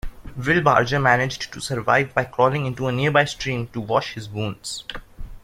Wilbarger managed to survive by crawling into a nearby stream to wash his wounds.